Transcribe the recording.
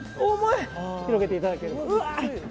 広げていただければ。